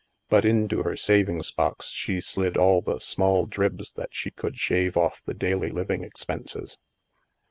But into her savings box she slid all the small dribs that she could shave off the daily living expenses.